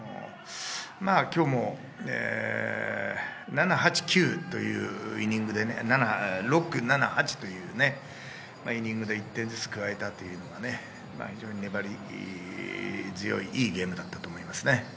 今日も７、８、９というイニングで、６、７、８というイニングで１点ずつ加えた、非常に粘り強い、いいゲームだったと思いますね。